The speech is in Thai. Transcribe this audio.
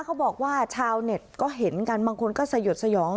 เขาบอกว่าชาวเน็ตก็เห็นกันบางคนก็สยดสยอง